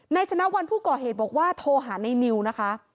ชนะวันผู้ก่อเหตุบอกว่าโทรหาในนิวนะคะ